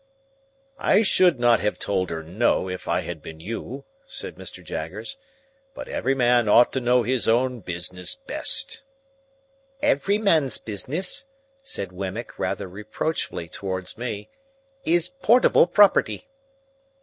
"I should not have told her No, if I had been you," said Mr Jaggers; "but every man ought to know his own business best." "Every man's business," said Wemmick, rather reproachfully towards me, "is portable property."